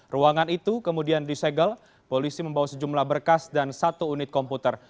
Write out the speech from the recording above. ruangan itu kemudian disegel polisi membawa sejumlah berkas dan satu unit komputer